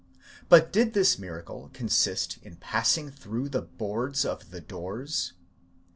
But did this miracle consist in passing through the boards of the doors?